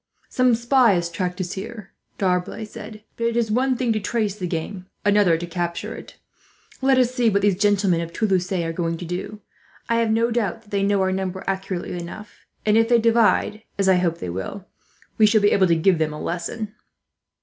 "Some spy has tracked us here," D'Arblay said; "but it is one thing to track the game, another to capture it. Let us see what these gentlemen of Toulouse are going to do. I have no doubt that they know our number accurately enough, and if they divide, as I hope they will, we shall be able to give them a lesson."